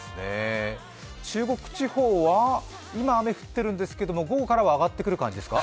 中国地方は今、雨降っていますけれども午後からは上がってくる感じですか？